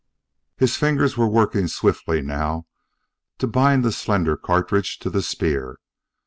His fingers were working swiftly now to bind the slender cartridge to the spear.